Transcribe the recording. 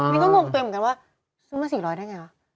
อ๋อนี่ก็งงตัวเหมือนกันว่าซื้อมาสี่ร้อยได้อย่างไร